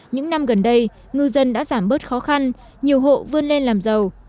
những năm gần đây ngư dân đã giảm bớt khó khăn nhiều hộ vươn lên làm giàu